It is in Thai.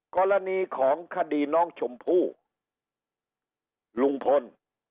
กรณีของคดีน้องชมพู่ลุงพล